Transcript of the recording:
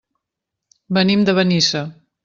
Venim de Benissa.